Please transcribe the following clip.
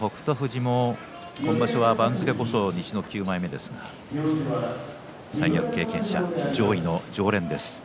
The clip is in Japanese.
富士も今場所は９枚目ですが三役経験者上位の常連です。